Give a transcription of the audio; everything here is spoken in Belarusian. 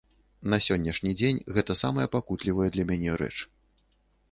На сённяшні дзень гэта самая пакутлівая для мяне рэч.